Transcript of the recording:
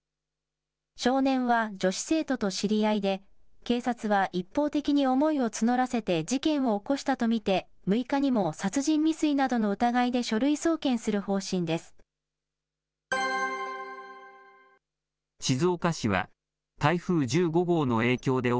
少年は女子生徒と知り合いで、警察は一方的に思いを募らせて、事件を起こしたと見て、６日にも殺人未遂などの疑いで書類送検する方針です。